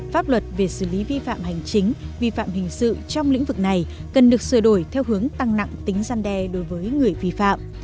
pháp luật về xử lý vi phạm hành chính vi phạm hình sự trong lĩnh vực này cần được sửa đổi theo hướng tăng nặng tính gian đe đối với người vi phạm